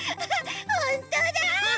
ほんとだ。